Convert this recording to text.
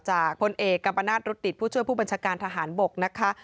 พลเอกกัมปนาศรุดดิตผู้ช่วยผู้บัญชาการทหารบกนะคะ